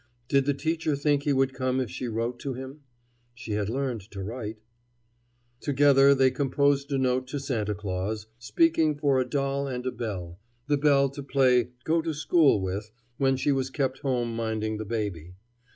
Did the teacher think he would come if she wrote to him? She had learned to write. Together they composed a note to Santa Claus, speaking for a doll and a bell the bell to play "go to school" with when she was kept home minding the baby.